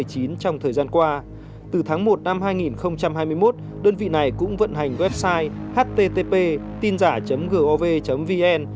trong thời gian qua từ tháng một năm hai nghìn hai mươi một đơn vị này cũng vận hành website http tingiả gov vn